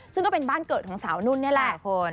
ซึ่งก็เป็นบ้านเกิดของสาวนุ่นนี่แหละคุณ